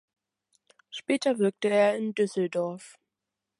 Später wirkte er in Düsseldorf.